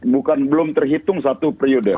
bukan belum terhitung satu periode